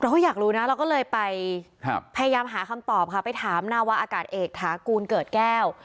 เราก็อยากรู้นะเราก็เลยไปพยายามหาคำตอบทามนรอากาศเอกถามว่าอากาศเอกหัวแก้ว